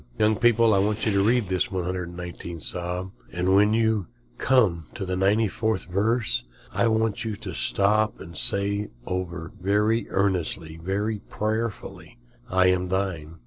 Young people, I want you to read this 119th Psalm, and when you come to the 94th verse I want you to stop and say over very earnestly, very prayerfully, "I am thine."